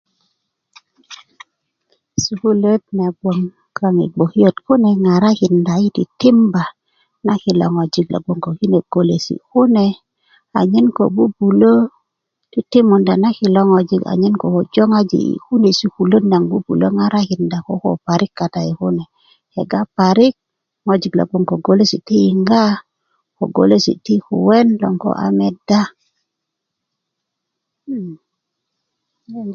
sukuluwöt na gboŋ kaaŋ yi gbokiyot kune ŋarakinda yi titimba na kilo ŋojik lo gboŋ ko kine golesi' kune anyen koko bubulö titimunda na kilo ŋojik anyen koko joŋaji' yi kune' sukuluwö nagoŋ koo bubulö ŋarakimda kune kega parik ŋojik lo gboŋ ko golesi' ti yiŋga ko golesi' ti kuwen loŋ koo a medda